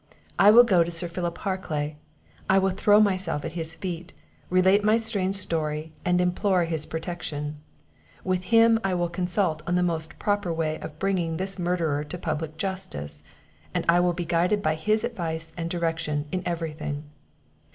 I will go to Sir Philip Harclay; I will throw myself at his feet, relate my strange story, and implore his protection; With him I will consult on the most proper way of bringing this murderer to public justice; and I will be guided by his advice and direction in everything."